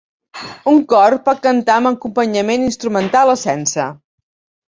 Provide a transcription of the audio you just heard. Un cor pot cantar amb acompanyament instrumental o sense.